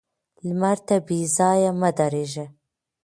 لمر ته بې ځايه مه درېږه